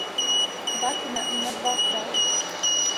Батина има два краја.